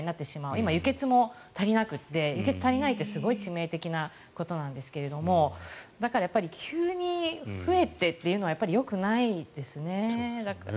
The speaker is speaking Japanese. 今、輸血も足りなくて輸血が足りないってすごい致命的なことなんですがだから急に増えてというのはやっぱりよくないですね。